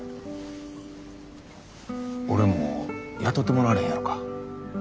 俺も雇てもらわれへんやろか。